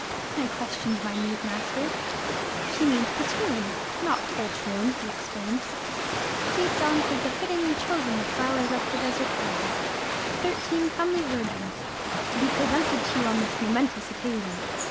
I questioned my mute master. "She means 'Platoon,' not 'poultroon,'" he explained "St. Johns has befittingly chosen the flowers of her desert garden thirteen comely virgins to be presented to you on this momentous occasion.